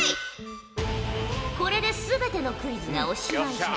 これで全てのクイズがおしまいじゃ。